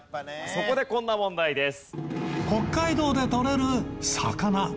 そこでこんな問題です。